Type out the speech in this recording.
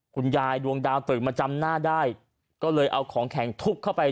คุณยายดวงดาวตื่นมาจำหน้าได้ก็เลยเอาของแข็งทุบเข้าไป